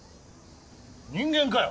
人間かよ！